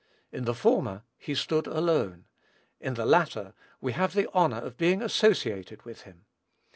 In the former, he stood alone; in the latter, we have the honor of being associated with him.